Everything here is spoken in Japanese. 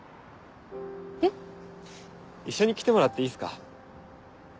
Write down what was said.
えっ？一緒に来てもらっていいっすか？